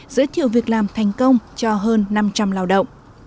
giới thiệu việc làm thành công cho hơn năm trăm linh lao động